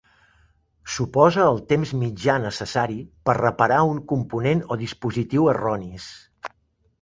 Suposa el temps mitjà necessari per reparar un component o dispositiu erronis.